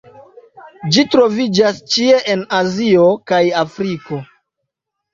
Ĝi troviĝas ĉie en Azio kaj Afriko.